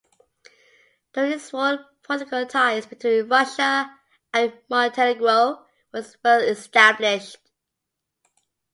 During his rule political ties between Russia and Montenegro were first established.